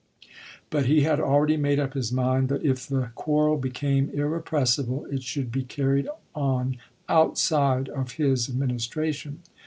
But he had already made up his mind that if the quarrel became irrepressible it should be carried on outside of his Administration.